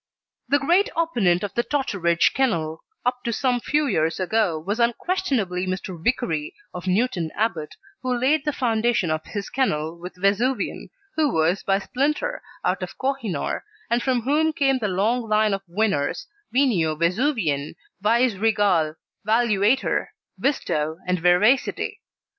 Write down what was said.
The great opponent of the Totteridge Kennel up to some few years ago was unquestionably Mr. Vicary, of Newton Abbot, who laid the foundation of his kennel with Vesuvian, who was by Splinter, out of Kohinor, and from whom came the long line of winners, Venio Vesuvienne, Vice Regal, Valuator, Visto, and Veracity.